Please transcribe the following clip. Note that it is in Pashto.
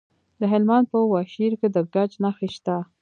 د هلمند په واشیر کې د ګچ نښې شته.